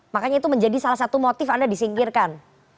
makanya itu menjadi salah satu motif anda disingkirkan